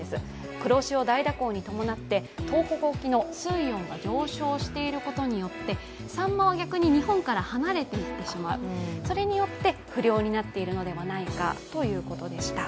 黒潮大蛇行に伴って、東北沖の水温が上昇していることによってさんまは逆に日本から離れて行ってしまう、それによって不漁になっているのではないかということでした。